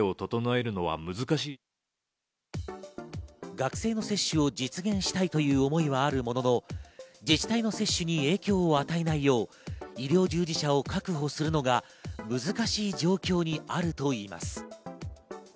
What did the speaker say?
学生の接種を実現したいという思いはあるものの、自治体の接種に影響を与えないよう、医療従事者を確保するのが難しい状況にあるといいます。